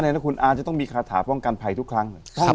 แล้วคุณอาร์จะต้องมีคาถาป้องกันภัยทุกครั้งเลย